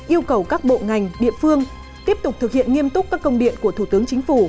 yêu cầu các bộ ngành địa phương tiếp tục thực hiện nghiêm túc các công điện của thủ tướng chính phủ